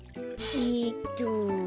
えっと。